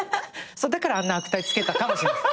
だからあんな悪態つけたかもしれないです。